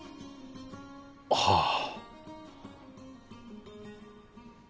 はあ。